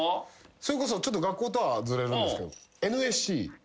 それこそちょっと学校とはずれるんですけど。